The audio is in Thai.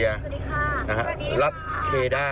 เปิดแอร์หลังเลยนะฮะ